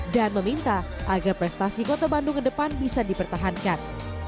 dan meminta agar prestasi kota bandung ke depan bisa dipertahankan